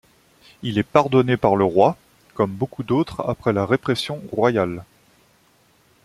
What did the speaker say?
Il est pardonné par le roi, comme beaucoup d'autres après la répression royale.